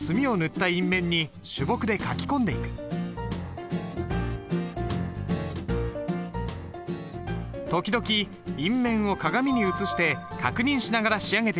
時々印面を鏡に映して確認しながら仕上げていこう。